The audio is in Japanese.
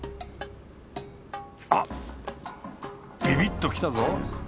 あっビビっときたぞ！